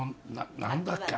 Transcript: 何だっけ？